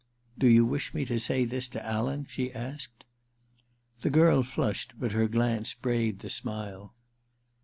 * Do you wish me to say this to Alan ?' she asked. The girl flushed, but her glance braved the smile.